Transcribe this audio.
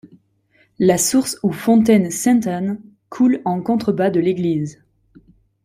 La source ou fontaine Sainte-Anne coule en contrebas de l'église.